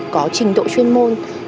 có trình độ chuyên môn